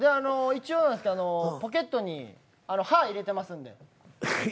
一応なんですけどポケットに歯入れてますんで。